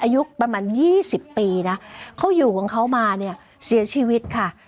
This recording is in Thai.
อายุประมาณ๒๐ปีนะเขาอยู่ของเขามาเนี่ยเสียชีวิตค่ะ